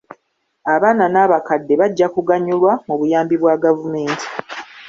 Abaana n'abakadde bajja kuganyulwa mu buyambi bwa gavumenti.